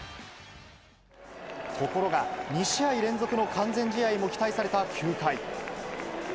ところが２試合連続の完全試合も期待された９回。